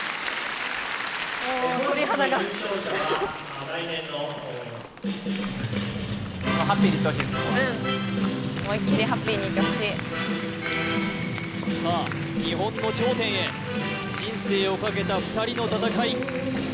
もうさあ日本の頂点へ人生をかけた２人の戦い